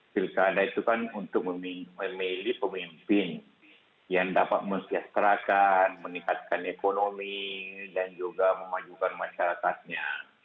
pilkada itu kan untuk memilih pemimpin yang dapat mesejahterakan meningkatkan ekonomi dan juga memajukan masyarakatnya